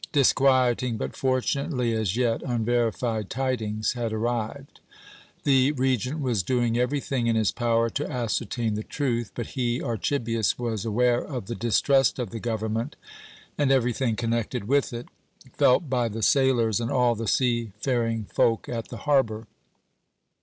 Disquieting, but fortunately as yet unverified tidings had arrived. The Regent was doing everything in his power to ascertain the truth; but he (Archibius) was aware of the distrust of the government, and everything connected with it, felt by the sailors and all the seafaring folk at the harbour.